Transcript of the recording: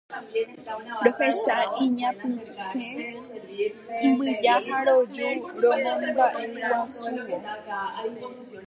Rohecha iñapysẽ imbyja ha roju romombaʼeguasúvo.